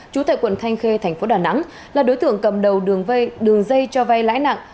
chú tại quận thanh khê tp đà nẵng là đối tượng cầm đầu đường dây cho vay lãi nặng